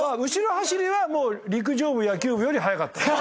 後ろ走りはもう陸上部野球部より速かった。